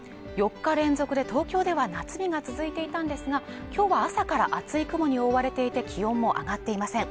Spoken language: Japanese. ４日連続で東京では夏日が続いていたんですが今日は朝から厚い雲に覆われていて気温も上がっていません